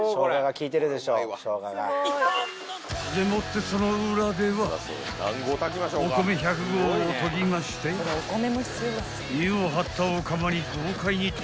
［でもってその裏ではお米１００合をとぎまして湯を張ったお釜に豪快に投入］